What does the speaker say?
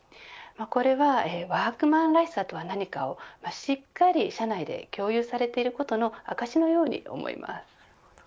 これはワークマンらしさとは何かをしっかり社内で共有されていることの証しのように思います。